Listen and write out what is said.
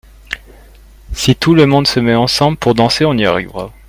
Si tout le monde se met ensemble pour danser on y arrivera.